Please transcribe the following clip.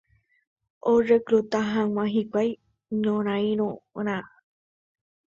orecluta hag̃ua hikuái ñorãirõrã